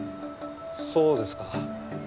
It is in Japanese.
そうですか。